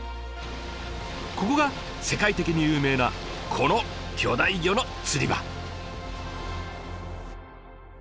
ここが世界的に有名なこの巨大魚の釣り場。